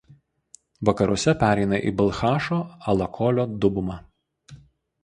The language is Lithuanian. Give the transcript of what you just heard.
Vakaruose pereina į Balchašo–Alakolio dubumą.